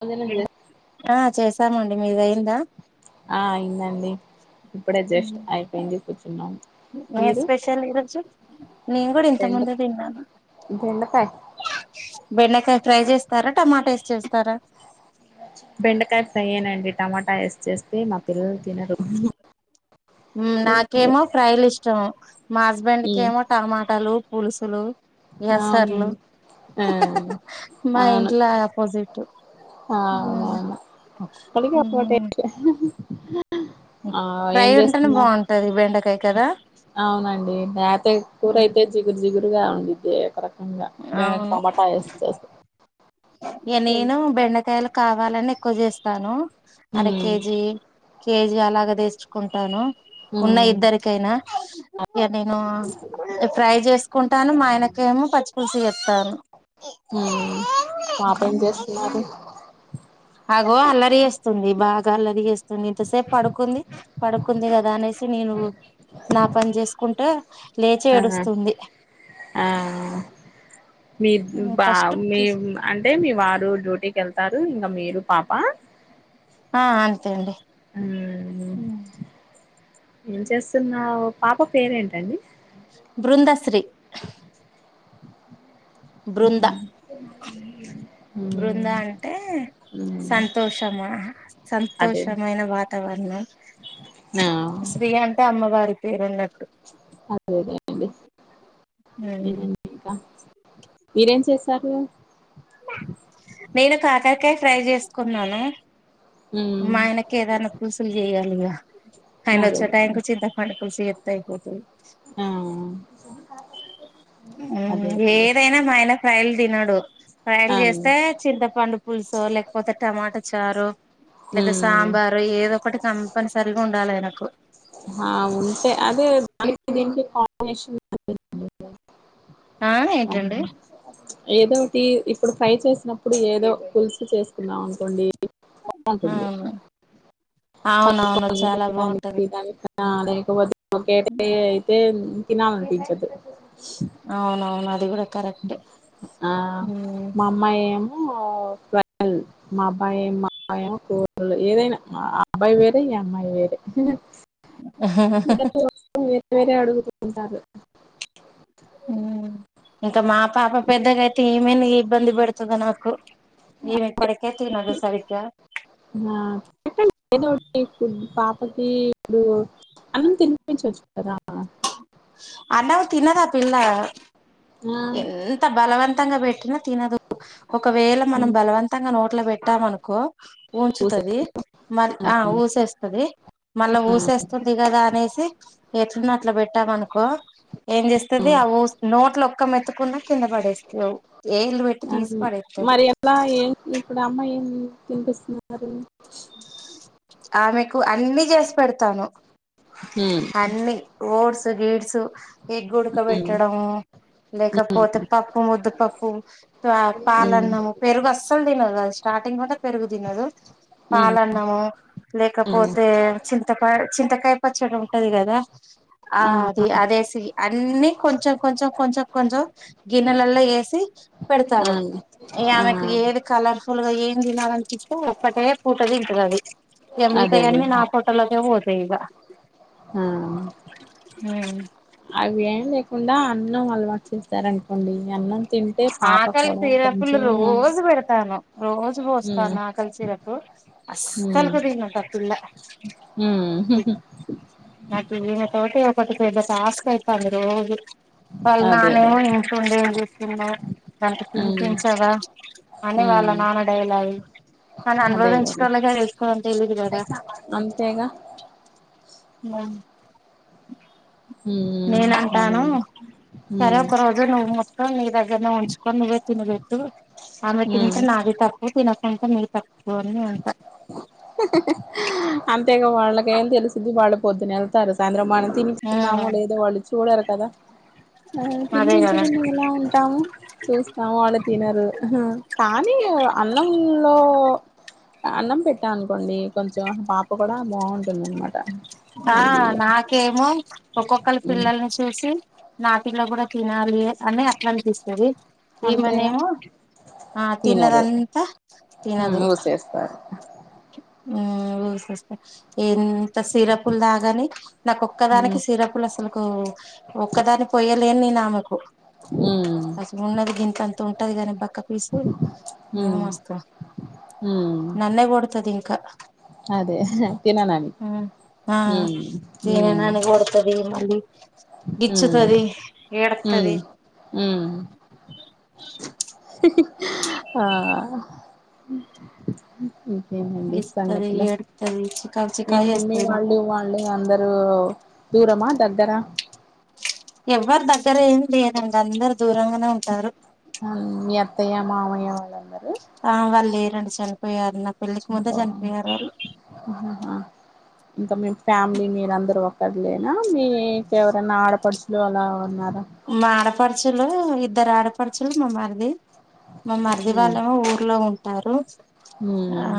భోజనం చే ఆ చేసామండి మీది అయిందా ఆ అయిందండి ఇప్పుడే జస్ట్ అయిపోయింది కూర్చున్నాం ఏం మీరు స్పెషల్ ఈరోజు నేను కూడా ఇంతకు బెండ ముందే తిన్నాను బెండకాయ్ బెండకాయ ఫ్రై చేస్తారా టమాటా వేసి చేస్తారా బెండకాయ ఫ్రైయ్యేనండి టమాటా వేసి చేస్తే మా పిల్లలు తినరు నాకేమో ఉమ్ ఫ్రైలు ఇష్టం మా హస్బెండ్ కేమో టమాటాలు పులుసులు ఎస్ఆర్లు అవునండి ఆ మా అవును ఇంట్లో ఆపోజిట్ అవునవును అప్పటికి ఒక టేస్ట్ ఆ ఫ్రై ఏం ఉంటేనే చేస్తున్నారు బాగుంటది బెండకాయ కదా అవునండి లేతయి కూర అయితే జిగురు జిగురుగా ఉండిది ఒక రకంగా మేం టమాటా వేసి చేస్తం ఇక నేను బెండకాయలు కావాలని ఎక్కువ చేస్తాను అర ఉమ్ కేేజీ కేజీ అలాగ తెచ్చుకుంటాను ఉమ్ ఉన్న ఇద్దరికైనా ఇక నేను ఫ్రై చేసుకుంటాను మా ఆయనకేమో పచ్చిపులుసు చేస్తాను హ పాపేం చేస్తున్నారు అగో అల్లరి చేేస్తుంది బాగా అల్లరి చేేస్తుంది ఇంతసేపు పడుకుంది పడుకుంది కదా అనేసి నేను నా పని చేసుకుంటే లేచి ఆ ఏడుస్తుంది ఆ మీ బా ఫస్ట్ మీ అంటే మీ వారు డ్యూటీకి వెళ్తారు ఇంకా మీరు పాప ఆ అంతే అండి అ ఉ ఏం చేస్తున్నవు పాప పేరేంటండి బృందశ్రీ అ మ్మ్ బృంద అంటే మ్మ్ సంతోషమా అదే సంతోషమైన వణ ఆ శ్రీ అంటే అమ్మవారి పేరు ఉన్నట్టు అదేలేండి ఏంటి ఇంకా మీరేం చేసారు నేను కాకరకాయ ఫ్రై చేసుకున్నాను మ్మ్ మా ఆయనకి ఇంకేదన్నా పులుసులు చెయాలిగా ఆయన అదే వచ్చే టైంకు చింతపండు పులుసు చేతే అయిపోతుంది ఆ అదేండి ఏదైనా మా ఆయన ఫ్రైలు తినడు ఫైలు ఆ చేస్తే చింతపండు పులుసో లేకపోతే టమాటా చారొ లేదా మ్మ్ సాంబారు ఏదో ఒకటి కంపల్సరీగా ఉండాలి ఆయనకు ఆ ఉంటే అదే దానికి దీనికి కాంబినేషన్ ఆ అవు ఏంటండి [unintelligible] ఏదోటి ఇప్పుడు ఫ్రై చేసినప్పుడు ఏదో పులుసు చేసుకున్నాం అనుకోండి ఆ అవును అవునవును చాలా బాగుంటది ఆ లేకపోతే ఒకటే అయితే తినాలనిపించదు అవునవును అది కూడా కరెక్టే ఆ ఉమ్. మా అమ్మాయి ఏమో ట్వల్వ్ మా అబ్బాయి అబ్బాయిమో కూరలు ఏదైనా మా అబ్బాయి వేరే ఈ అమ్మాయి వేరే ఇంగ [unintelligible] వేరే వేరే అడుగుతుంటారు ఉమ్మ్ ఇంకా మా పాప పెద్దగా అయితే ఏమేనా ఇబ్బంది పెడుతాదో నాకు ఏమి ఇప్పటికే తినదు సరిగ్గా ఆ [unintelligible] ఫుడ్ పాపకి ఇప్పుడు అన్నం తినిపించోచ్చు కదా అన్నమే తినదు ఆ పిల్ల ఆ ఎంత బలవంతంగా పెట్టినా తినదు ఒకవేళ మనం బలవం త్తంగా నోట్ల పెట్టాము అనుకో పూస ఊంచుతుంది మరి ఆ ఊసేస్తాది మళ్ళా ఊసేస్తుంది కదా అనేసి ఎ న్న అట్లా పెట్టామనుకో ఏం ఆ చేస్తాది అ ఊస్ నోట్ల ఒక్క మెత్తుకున్నా కింద పడేస్తవ్ ఎళ్ళు అది మరి ఎట్లా ఏం ఇప్పుడు అమ్మాయి ఏం తినిపిస్తున్నారు ఆమెకు అన్ని చేసి పెడతాను ఉమ్ అన్ని ఓడ్స్ గిడ్స్ ఎగ్ ఉమ్ ఉడకబెట్టడము లేకపోతే పప్పు ముద్దుపప్పు పా ఉమ్ పాలన్నము పెరుగు అస్సలు తినదు అది స్టార్టింగ్ నుంటే పెరుగు తినదు ఉమ్ పాలన్నము ఉమ్ లేకపోతే చింతకాయ చింతకాయ పచ్చడి ఉంటది కదా ఆ ది అదేసి అన్నీ కొంచెం కొంచెం కొంచెం కొంచెం గిన్నెలలో ఏసి పెడతాను ఉమ్ ఇగ ఆమెకు ఉమ్ ఏది కలర్ఫుల్గా ఏం తినాలనిపిస్తే ఒక్కటే పూట తింటదాద ఇఢ అదేలే మిగతయాన్నీ నా పోట్టలోకే పోతాయి ఇగ ఉమ్మ్ ఉమ్మ్ అవి ఏం లేకుండా అన్నం అలవాటు చేస్తారనుకోండి అన్నం తింటే పాప ఆకలి కూడా సిరపులు కొంచెం రోజు పెడతాను రోజు ఉమ్ పోస్తాను ఆకలి సిరప్ ఉమ్ అస్సలుకు తినదు ఆ పిల్ల ఉమ్ నాకి ఈమెతోటి ఒకటి పెద్ద టాస్క్ అయితంది రోజు వాళ్ళా అదేలే నాన్నేమో ఉండి ఏం చేస్తున్నావ్ దానికి ఉమ్ తినిపించవా అని వాళ్ళ ఉమ్ నాన్న డైలాగులు అని అదేలేండి అనుభవించేటోళ్ళకే అది ఎక్కువేం తెలిదు కదా అంతేగా ఉమ్మ్ ఉమ్ నేనంటాను అవునండి సరే ఉమ్ ఒకరోజు నువ్ మొత్తం నీ దగ్గరనే ఉంచుకోని నువ్వే తిన పెట్టు ఆమె ఉమ్ తింటే నాది తప్పు తినకుంటే నీ తప్పు అని అంటా అంతేగా వాళ్ళకేం తెలుసుద్ది వాళ్లు పొద్దున ఎ ళ్తారు సాయంత్రం మనం తిని తిన్నామో లేదో వాళ్ళు చూడరు కదా ఆ అదే కదా తినిపించకుండా ఎలా ఉంటాము చేస్తాము వాళ్ళు తినరు కానీ అన్నంలో అన్నం పెట్టా అనుకోండి కొంచెం పాప కూడా బాగుంటుందన్నమాట ఆ నాకేమో ఒక్కొక్కళ పిల్లల్ని చూసి నా పిల్ల కూడా తినాలి అని అట్లా అనిపిస్తాది అంతేగా ఈమెనేమో ఆ తినరు తిన్నదంతా తినదు సర ఉమ్మ్ ఊసేస్తే ఎం సిరపులు దాగాని నాకు ఒక్కదానికి ఉమ్ సిరపులు అసలు ఓ ఒక్కదాని పోయలేని నేను అమెకు ఉమ్మ్ ఉన్న్ది గింత ఉంటది గని బా ఫసు ఉమ్ మస్తు ఉమ్ నన్న కోడుతుది ఇంకా అదే తిననని అ అ ఉమ్ ఇగ ఉమ్ నన్ను మీ బిచ్చుతుది ఎడతది ఉ ఆ ఇంకేనండి గిచ్చుతది సంగతుల ఏడుత్తది చికాకు మీ చికాకు మమ్మీ చేస్తది మాకు వాళ్ళు వా ళ్ళ అందరుూ దూరమా దగ్గరా ఎవ్వరి దగ్గర ఏం లేనంక అందరు దూరంగానే ఉంట మీ అత్తయ్య మామయ్య వాళ్ళందరూ ఆ వాళ్ళు లే రండి చనిపోయారు నా పెళ్ళికి ముందే చనిపోయారు వాళ్ళు హా ఇంకా మీ ఫ్యామిలీ మీర అందరుూ ఒకక్కరు లేనా మీ మీకెవరైనా ఆడపడుచులు అలా ఉన్నారా మా ఆడపరచులు ఇద్దరు ఆడపడుచులు మా మరిది మా మరది ఉమ్ వాళ్ళేమో ఊర్లో ఉంటారు ఆ ఉమ్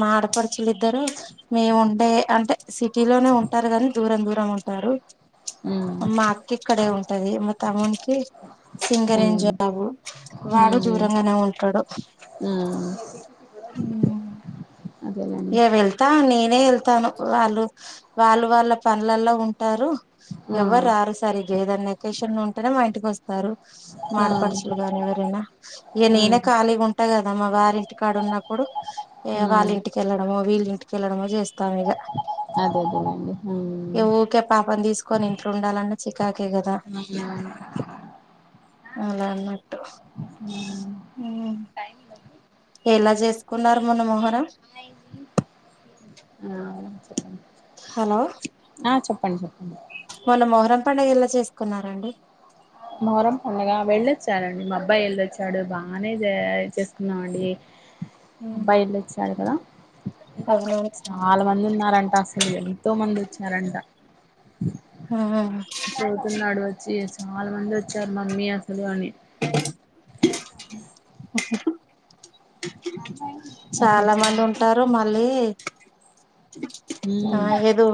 మా పర్చలద్దారు మేము ఉండే అంటే సిటీలోనే ఉంటారు కానీ దూరం దూరం ఉంటారు ఉమ్ అమ్మా అక్క ఇకడ ఉంట ది మ అమున్కి సింగర్ ఉమ్ జాబ్ అవబ వాడు దూరంగానే ఉంటాడు ఉ ఉ ఇ వెళ్తా నేనే వెళ్తాను వాళ్ళు వాళ్ళు వాళ్ళ పనులల్లో ఉంటారు ఆ ఎవరు రారు సరి ఇ ఏదనా వెకేషన్ ఉంటేనే మా ఇంటికి వస్తారు మ ఆ పడసల్గానీవరేనా ఏ ననే ఉమ్ ఖాలిగా ఉంటు అదే కదమ్మ వారంటీ కార్డు ఉన్నప్పుడు ఉమ్ వాలెంటీ కెళ్లడమో వీళ్ళ ఇంటికెళ్లడమో చేస్తాము ఇక అదే అదేనండి మ్ ఏ ఊకే పాపం తీసుకొని ఇంట్లో ఉండాలంట చికాకే కదా అవు [unintelligible] అలా అన్నట్టుఉ టైమ్ బ [unintelligible] ఎలా జెసుకున్నారు మొన్న మొహరం హిం అ చె [unintelligible] హలో ఆ చెప్పండి చెప్పండి మొన్న మొహరం పండుగ ఎలా చేసుకున్నారండి మోరం పండగ వెళ్ళొచ్చారండి మా అబ్బాయి వెళ్ళొచ్చాడు బాగానే చేసుకున్నమండి అబ్బాయి ఎల్లేఓచడ అవునవును చాలా మంది ఉన్నారంట అసలు ఎంతో మంది ఓచ్చారంట ఆహ చదువుతున్నాడు వచ్చి చాలా మంది వచ్చారు మమ్మీ అసలు అని డన్ చాలా అసలు మంది ఉంటారు మళ్ళీ ఆ ఏదో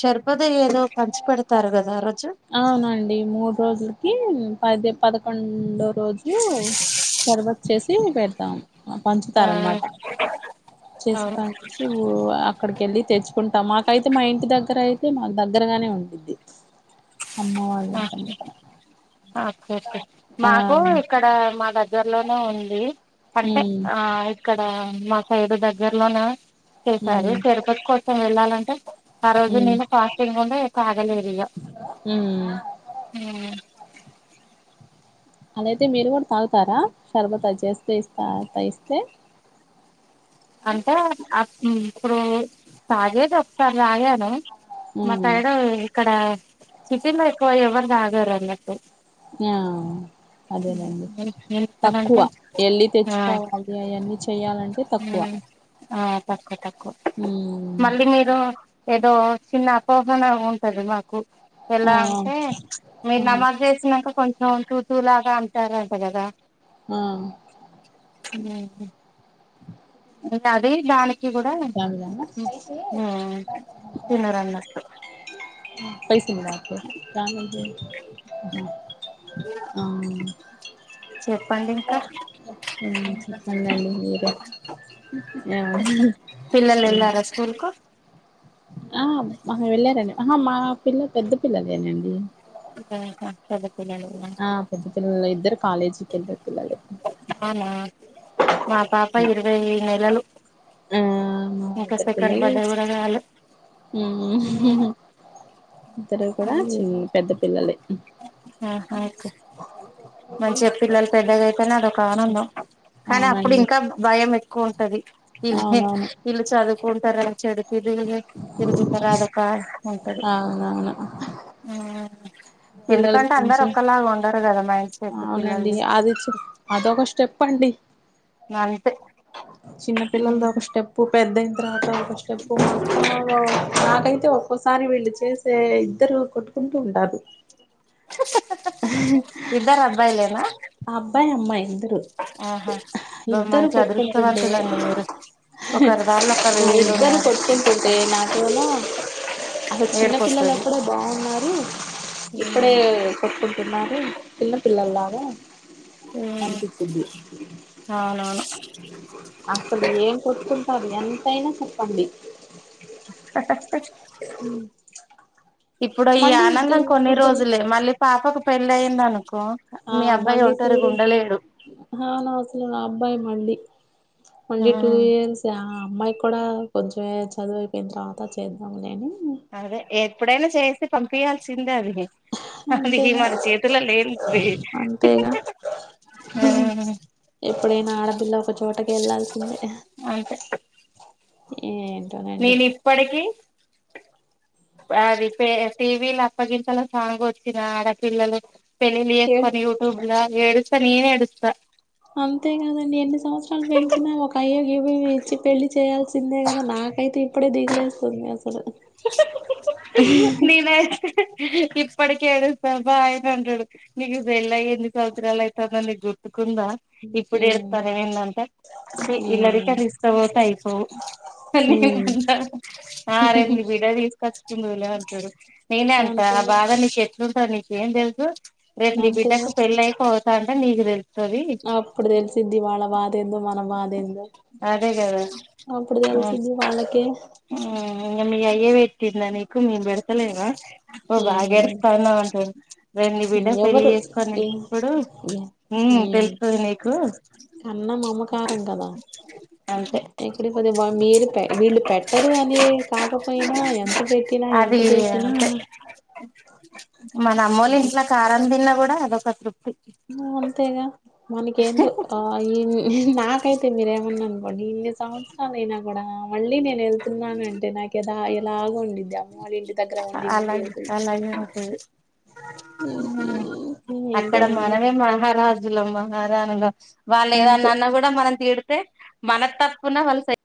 షర్పథ్ ఏదో పంచి పెడతారు గదా ఆ రోజు అవునండి మూడు రోజులకి పది పదకొండు రోజు షర్బత్ చేసి పెడతాం ఆ పంచుతారన్నమాట చేసి అవును పం చి ఊ అక్కడికెళ్ళి తెచ్చుకుంటాం మాకైతే మా ఇంటి దగ్గర అయితే మాకు దగ్గరగానే ఉండిద్ది అమ్మ వాళ్ళింటి కి దగ్గరగా ఓకే ఓకే మాకు ఇక్కడ మా దగ్గరలోనే ఉంది అంటే హ్మ్ ఆ ఇక్కడ మా సైడు దగ్గర్లోనా చేసారు హ్మ్ షర్పథ్ కోసం వెళ్ళాలంటే ఆ రోజు హ్మ్ నేను ఫాస్టింగ్ ఉండి తాగలేదు ఇగ హ్మ్ హ్మ్ అదయితే మీరు కూడా తాగుతారా షర్బతచ్చేస్తేస్తా ఇస్తే అంటే అప్ ఇప్పుడు తాగేది ఒకసారి తాగాను మా హ్మ్ సైడ్ ఇక్కడ సిటీ లో ఎక్కువ ఎవరు తాగరు అన్నట్టు హ్మ్ అదేలెండి తక్కువ ఎందుకనంటే ఎళ్ళి తెచ్చుకోవాలి ఇ వన్నీ చేయ్యాలంటే హ్మ్ ఆ తక్కువ తక్కువ హ్మ్ మళ్ళీ మీరు ఏదో చిన్న అపోహన ఉంటది మాకు ఆ ఎలా అంటే మీరు ఆ నమాజ్ చేసినాక కొంచెం తూ తూ లాగా అంటారంట కదా హ్మ్ హ్మ్ అది దానికి కూడా క్యా మిలా తినరన్నట్టు పైసలివ్వాలి అహా ఆ చెప్పండి ఇంకా చెప్పండండి మీరే ఆ పిల్లలెల్లారా స్కూల్ కు ఆ మా వెళ్ళారండి అహ మా పిల్ల పెద్ద పిల్లలేేనండి చదువుకు పెద్ద పిల్లలేనా ఆ పెద్ద పిల్లలు ఇద్దరు కాలేజీకి వెళ్ళే పిల్లలే అవునా మా పాప ఇరవై ఈ నెలలు ఆ మా ఇంకా సెకండ్ బర్త్డే గూడా కాలే హ్మ్ ఇద్దరు కూడ చిన్న పెద్ద పిల్లలే ఆహా ఓకే మంచిగా పిల్లలు పెద్దగా అయితేనే అదొక ఆనందం కానీ అప్పుడు అవునండి ఇంకా భయం ఎక్కువ ఉంటది ఇలా అవునవును వీళ్లు చదువుకుంటార ఆ చెడు తిరుగుళ్ళు తిరుగుతార అదొక అవునవును హు పిల్లల ఎందుకంటే అందరు గురించి ఒక్కలాగా ఉండరు కదా మంచి అవునండి అది అదొక స్టెప్ అండి నంతే చిన్నపిల్లలది ఒక స్టెప్పు పెద్ద అయిన తర్వాత ఒక స్టెప్పు [inaudible] నాకై తో ఒక్కోసారి వీళ్ళు చేసే ఇద్దరు కొట్టుకుంటూ ఉంటారు ఇద్దారు అబ్బాయిలేనా అబ్బాయి అమ్మాయి ఇద్దరు ఆహా బా ఇద్దరు మంచి కొట్టుకుంటుంటే అదృష్టవంతులండి మీరు ఒకరి దారిలో ఒకరు మా వీళ్ళు ఇద్దరు ఉన్నారు కొట్టుకుంటుంటే నాకేమో అసలు చిన్న పిల్లలు ఏడుపోస్తది అప్పుడే బాగున్నారు ఇప్పుడు కొట్టుకుంటూన్నారు చిన్న పిల్లలాగా హ్మ్ అవునువును అసలు ఏం కోట్టుంటారు ఎంతయినా చెప్పండి [unintelligible] హ్మ్ ఇప్పుడు ఈ ఆనందం కొన్ని వాళ్ళిద్దరే రోజులే మళ్ళీ పాపకు పెళ్లి అయింది అనుకో మీ అబ్బాయి ఒంటరిగా ఉండలేడు ఆ నా అసలు అబ్బాయి మళ్ళీ ఓన్లీ టూ ఉమ్ ఇయస్స్ ఆ అమ్మాయి కూడా కొంచం చదువు అయిపోయిన తర్వాత చేద్దాంలే అని అదే ఎప్పుడైనా చేసి పంపయాల్సిందే అది అది అంతేగా మరి చేతులో లేంది అది హ్మ్ ఎప్పుడైనా ఆడపిల్ల ఒక చోటకి వెళ్లాల్సిందే అంతే ఏన్ నేను ఇప్పడకి అది పే టీవీలో అప్పగింతల సాంగ్ వచ్చినా ఆడ పిల్లలు పెళ్లిళ్లు ఏం చేసుకొని యూ ట్యూబ్ లో ఎడుస్తే నేను ఏడుస్తా అంతేకాదండి ఎన్ని సంవత్సరాలు పెంచినా ఒక అయ్యోకి గివి ఇచ్చి పెళ్లి చేయాల్సిందే కదా నాకైతే ఇప్పుడే దిగిలేస్తుంది అస్ [unintelligible] నీను అయితే ఇప్పటికె ఏడుస్తా మా ఆయన అంటాడు నీకు పెళ్లాయి ఎన్ని సంవత్సరాలు అయితాందో నీకు గుర్తుకుందా ఇప్పుడు ఉమ్ ఏడుతానే ఉందంటా చి ఉమ్ ఇల్లరికం తీసుకపోతే అయిపోవు పెళ్లికి ఉమ్ ఏళ్ళిరా అరు అయింది తీసుకొచ్చుకుందువులే అంటాడు నేనే అంట ఆ అంతేగా బాధ నీకు ఎట్లుంటదో నీకేం తెలుసు రేపు నీ బిడ్డకు అంతేగా పెళ్లి అయిపోతంటే నీకు తెల్ అప్పుడు తెలిసిద్ది వాళ్ళ బాధేందో మన బాధేందో అదే కదా అప్పుడు తెలిసిద్ది వాళ్ళకే హ్మ్ మీ అయ్యా పెట్టిండా నీకు మేము పెడతలేమా అబ్బో బాగా ఉమ్ ఏడుతాన్నావ్ అంటాడు రేపు నీ బిడ్డకు పెళ్లి ఎవరు చేసుకొని ఏ వేల్టప్పుడు హ్మ్ తెలుస్తది నీకు ఉన్న మామకారంకదా అంతే ఎక్కడ పోతే వా మీరు వీళ్ళు పెట్టరు అని కాకపోయినా ఎంత పెట్టినా ఎంత అది చేసినా అంతే మన అమ్మోలి ఇంట్లో కారం తిన్నా కూడా అదొక తృప్తి ఉ అంతేగా మనకి ఎందొ ఆ ఇ నాకైతే మీరేమన్నా అనుకోండి ఇన్ని సంవత్స అనైనా కూడా మళ్ళీ నేను వెళ్తున్నానంటే నాకు ఎద ఎలాగో ఉండిద్ది అమ్మ వాళ్ళ ఇంటి దగ్గర ఉండి ఉండి అలాగే ఏళ్తున్న అలాగే ఉంటంది హు అక్కడ ఏంటోనండి మనమే మహారాజు జులుం మహారాణి లం వాళ్ళు ఏదనా అంతే అన్న కూడా మనం తిడితే మన తప్పున వాళ్ళు సయి